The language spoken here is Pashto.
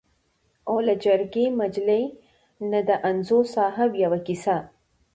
او له جرګې مجلې نه د انځور صاحب یوه کیسه.